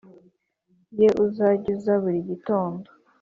Ye uzajya uza buri gitondo